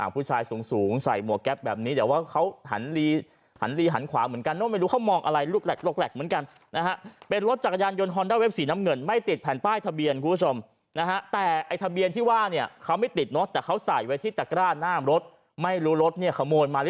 ผู้ชายสูงสูงใส่หมวกแก๊ปแบบนี้แต่ว่าเขาหันลีหันลีหันขวาเหมือนกันเนอะไม่รู้เขามองอะไรลูกแหลกเหมือนกันนะฮะเป็นรถจักรยานยนต์ฮอนด้าเวฟสีน้ำเงินไม่ติดแผ่นป้ายทะเบียนคุณผู้ชมนะฮะแต่ไอ้ทะเบียนที่ว่าเนี่ยเขาไม่ติดเนอะแต่เขาใส่ไว้ที่ตะกร้าหน้ารถไม่รู้รถเนี่ยขโมยมาหรือ